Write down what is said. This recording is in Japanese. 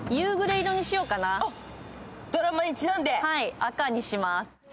赤にします。